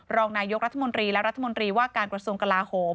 รองนายกรัฐมนตรีและรัฐมนตรีว่าการกระทรวงกลาโหม